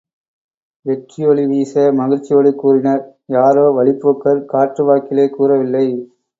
வெற்றியொளி வீச, மகிழ்ச்சியோடு கூறினர், யாரோ வழிப்போக்கர், காற்று வாக்கிலே கூறவில்லை.